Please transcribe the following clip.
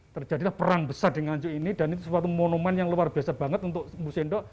terjadilah perang besar di nganjuk ini dan itu suatu monumen yang luar biasa banget untuk musindo